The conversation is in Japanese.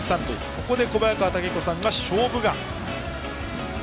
ここで小早川毅彦さんが「勝負眼」。